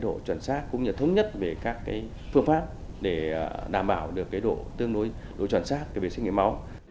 độ chuẩn sát cũng như thống nhất về các phương pháp để đảm bảo được độ chuẩn sát về xét nghiệm máu